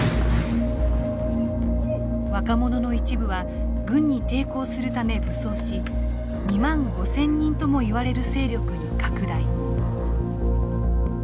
若者の一部は軍に抵抗するため武装し２万５，０００人ともいわれる勢力に拡大。